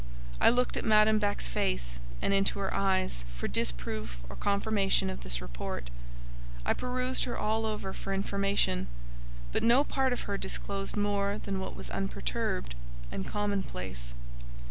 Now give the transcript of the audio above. I looked at Madame Beck's face, and into her eyes, for disproof or confirmation of this report; I perused her all over for information, but no part of her disclosed more than what was unperturbed and commonplace.